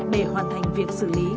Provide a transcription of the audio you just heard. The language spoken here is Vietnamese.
để hoàn thành việc xử lý